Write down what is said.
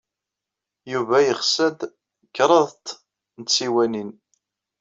Yuba yesɣa-d kraḍt n tsiwanin.